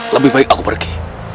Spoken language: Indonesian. lebih baik aku pergi